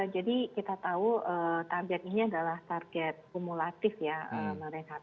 jadi kita tahu target ini adalah target kumulatif ya